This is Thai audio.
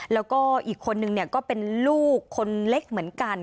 แล้วก็อีกคนนึงก็เป็นลูกคนเล็กเหมือนกัน